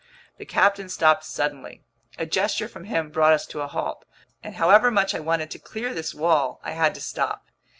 The captain stopped suddenly. A gesture from him brought us to a halt, and however much I wanted to clear this wall, I had to stop.